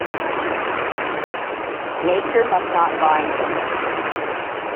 Nature must not bind him.